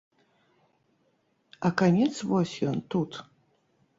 А канец вось ён, тут.